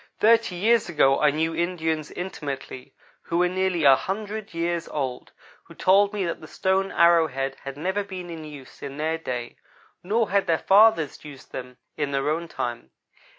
Thirty years ago I knew Indians, intimately, who were nearly a hundred years old, who told me that the stone arrow head had never been in use in their day, nor had their fathers used them in their own time.